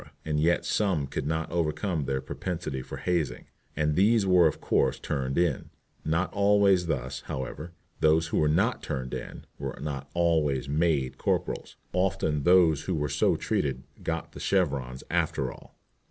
And yet some could not overcome their propensity for hazing, and these were of course turned in. Not always thus, however. Those who were not "turned in" were not always "made" corporals. Often those who were so treated "got the chevrons" after all.